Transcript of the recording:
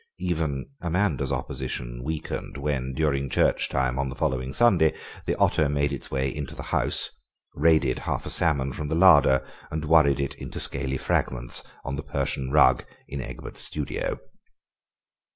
Even Amanda's opposition weakened when, during church time on the following Sunday, the otter made its way into the house, raided half a salmon from the larder and worried it into scaly fragments on the Persian rug in Egbert's studio.